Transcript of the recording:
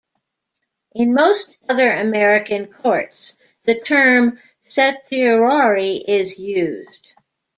In most other American courts, the term certiorari is used.